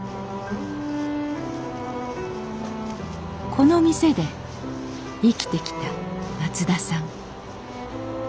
この店で生きてきた松田さん